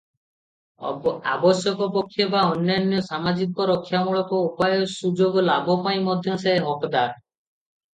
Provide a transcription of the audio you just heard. ଆବଶ୍ୟକ ପକ୍ଷେ ବା ଅନ୍ୟାନ୍ୟ ସାମାଜିକ ରକ୍ଷାମୂଳକ ଉପାୟ ସୁଯୋଗ ଲାଭ ପାଇଁ ମଧ୍ୟ ସେ ହକଦାର ।